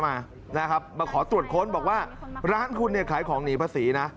มาขอตรวจค้นบอกว่าร้านคุณเนี่ยขายของหนีพระศรีนะ